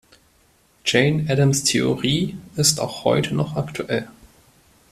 Jane Addams' Theorie ist auch heute noch aktuell.